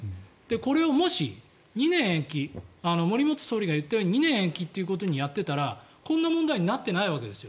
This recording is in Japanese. これをもし、２年延期森元総理が言ったように２年延期となっていればこんな問題になってないわけですよ。